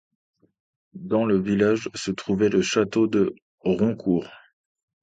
Dans le village, se trouvait le château de Roncourt.